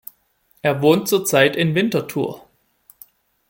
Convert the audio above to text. Er wohnt zurzeit in Winterthur.